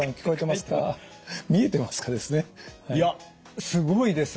いやすごいです。